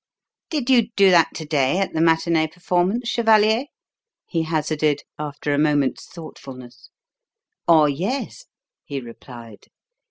"Did you do that to day at the matinee performance, chevalier?" he hazarded, after a moment's thoughtfulness. "Oh, yes," he replied.